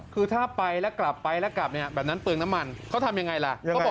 คือถ้าไปแล้วกลับไปแล้วกลับเนี่ยแบบนั้นเปลืองน้ำมันเขาทำยังไงล่ะ